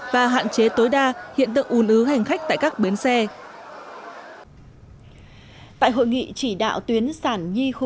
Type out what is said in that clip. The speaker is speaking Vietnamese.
và hạn chế tối đa hiện tượng ồn ứ hành khách tại các bến xe tại hội nghị chỉ đạo tuyến sản nhi khu